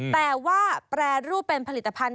แต่ว่าแปรรูปเป็นผลิตภัณฑ